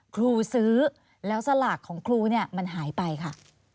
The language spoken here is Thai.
ครูซื้อแล้วสลากของครูเนี่ยมันหายไปค่ะ